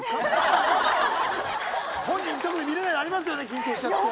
本人直で見れないのありますよね緊張しちゃって。